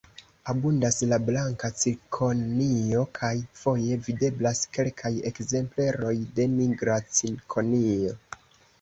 Abundas la blanka cikonio kaj foje videblas kelkaj ekzempleroj de nigra cikonio.